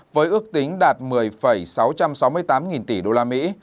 với ước tính đạt một mươi sáu trăm sáu mươi tám nghìn tỷ usd